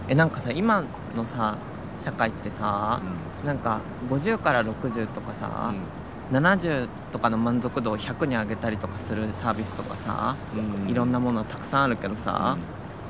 今の社会ってさ５０から６０とかさ７０とかの満足度を１００に上げたりとかするサービスとかさいろんなものたくさんあるけどさ